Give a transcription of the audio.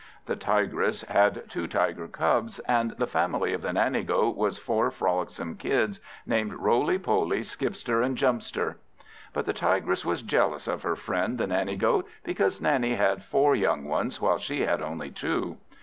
The Tigress had two tiger cubs; and the family of the Nanny goat were four frolicksome kids, named Roley, Poley, Skipster, and Jumpster. But the Tigress was jealous of her friend the Nanny goat, because Nanny had four young ones, while she had only two.